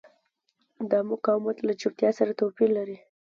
دا مقاومت له چوپتیا سره توپیر لري.